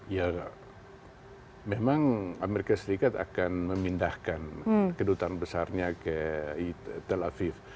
ya memang amerika serikat akan memindahkan kedutaan besarnya ke tel aviv